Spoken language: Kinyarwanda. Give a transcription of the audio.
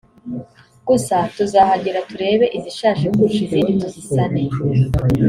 Gusa tuzahagera turebe izishaje kurusha izindi tuzisane